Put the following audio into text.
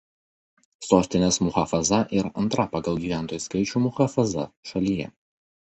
Sostinės muchafaza yra antra pagal gyventojų skaičių muchafaza šalyje.